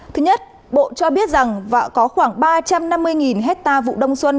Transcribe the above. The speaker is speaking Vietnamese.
thứ nhất bộ cho biết rằng có khoảng ba trăm năm mươi hectare vụ đông xuân